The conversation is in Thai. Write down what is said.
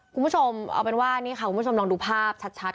คุณผู้ชมเอาเป็นว่านี่ค่ะคุณผู้ชมลองดูภาพชัด